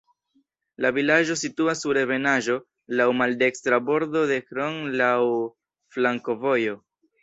La vilaĝo situas sur ebenaĵo, laŭ maldekstra bordo de Hron, laŭ flankovojoj.